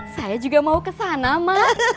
saya juga mau ke sana mak